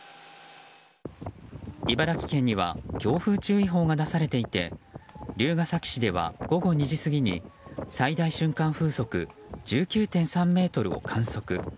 茨城県には強風注意報が出されていて龍ケ崎市では午後２時過ぎに最大瞬間風速１９．３メートルを観測。